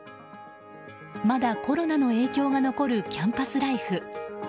まだコロナの影響が残るキャンパスライフ。